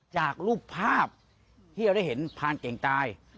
จากรูปภาพที่เราได้เห็นพานเก่งตาย